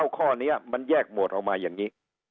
ข้อนี้มันแยกหมวดออกมาอย่างนี้